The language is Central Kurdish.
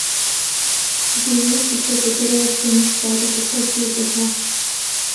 دەیەوێت بچێتە دەرەوە و شوێنێکی تایبەت بە خۆی بدۆزێتەوە.